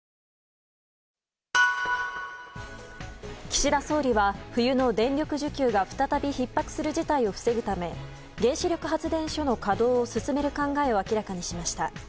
岸田総理は冬の電力需給が再びひっ迫する事態を防ぐため原子力発電所の稼働を進める考えを明らかにしました。